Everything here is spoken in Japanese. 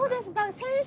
先週。